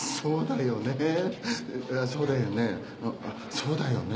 そうだよね。